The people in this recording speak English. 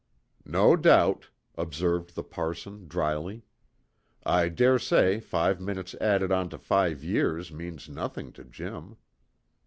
"No doubt," observed the parson dryly. "I dare say five minutes added on to five years means nothing to Jim."